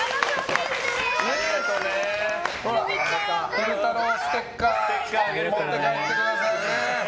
昼太郎ステッカー持って帰ってくださいね。